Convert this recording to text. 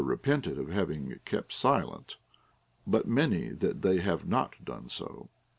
25 repented of having kept silence ; but mEiny that they have not done so.